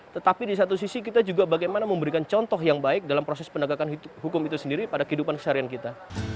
tetapi di satu sisi kita juga bagaimana memberikan contoh yang baik dalam proses penegakan hukum itu sendiri pada kehidupan seharian kita